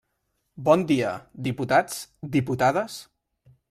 Bon dia, diputats, diputades.